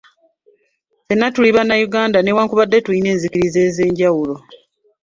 Ffenna tuli bannayuganda newankubadde tulina enzikiriza ez'enjawulo.